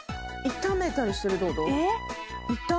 炒めたりしてるって事？